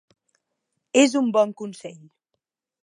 És un bon consell.